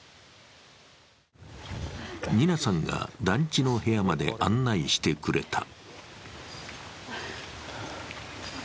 ニナさんが、団地の部屋まで案内してくれた。